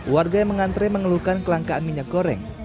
warga yang mengantre mengeluhkan kelangkaan minyak goreng